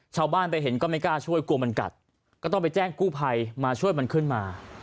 ชาวบ้านไปเห็นก็ไม่กล้าช่วยกลัวมันกัดก็ต้องไปแจ้งกู้ภัยมาช่วยมันขึ้นมา